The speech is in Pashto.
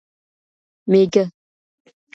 مېږه